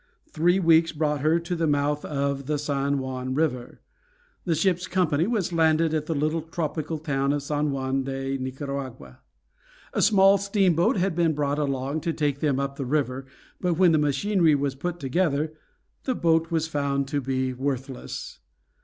Three weeks brought her to the mouth of the San Juan River. The ship's company was landed at the little tropical town of San Juan de Nicaragua. A small steamboat had been brought along to take them up the river, but when the machinery was put together the boat was found to be worthless.